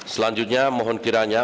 selanjutnya mohon kiranya